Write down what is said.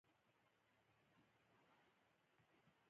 ژوند لنډ دی ښه ژوند وکړه.